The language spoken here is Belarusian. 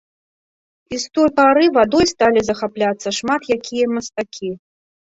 І з той пары вадой сталі захапляцца шмат якія мастакі.